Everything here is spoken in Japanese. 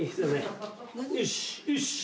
よし。